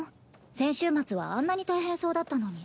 先週末はあんなに大変そうだったのに。